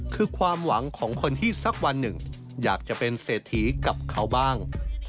คือความหวังของคนที่สักวันหนึ่งอยากจะเป็นเศรษฐีกับเขาบ้าง